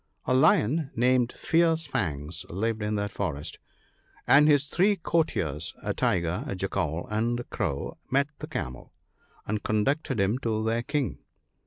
A Lion, named "Fierce fangs," lived in that forest; and his three courtiers, a Tiger, a Jackal, and a Crow, met the Camel, and conducted him to their King.